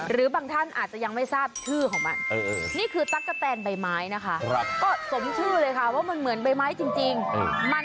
หรือบางท่านอาจจะยังไม่ทราบชื่อของมัน